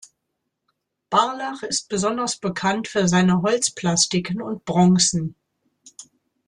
Barlach ist besonders bekannt für seine Holzplastiken und Bronzen.